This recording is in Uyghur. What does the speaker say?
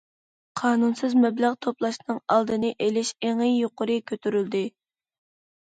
قانۇنسىز مەبلەغ توپلاشنىڭ ئالدىنى ئېلىش ئېڭى يۇقىرى كۆتۈرۈلدى.